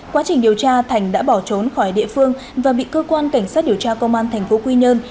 quá trình điều tra thành đã bỏ trốn khỏi địa phương và bị cơ quan cảnh sát điều tra công an tp quy nhơn